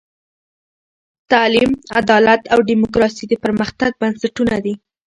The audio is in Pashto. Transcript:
تعلیم، عدالت او دیموکراسي د پرمختګ بنسټونه دي.